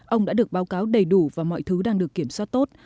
ông đã được báo cáo đầy đủ và mọi thứ đang được kiểm soát tốt